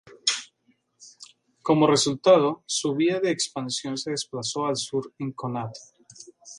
Como resultado, su vía de expansión se desplazó al sur en Connacht.